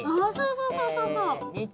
そうそうそうそう！